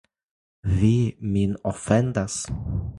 Vi min ofendas!